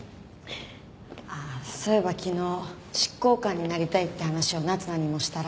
ああそういえば昨日執行官になりたいって話を夏奈にもしたら。